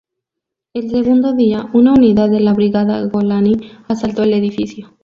El segundo día, una unidad de la Brigada Golani asaltó el edificio.